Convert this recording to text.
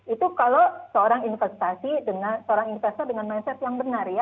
itu kalau seorang investasi dengan mindset yang benar ya